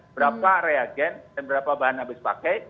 berapa reagen dan berapa bahan habis pakai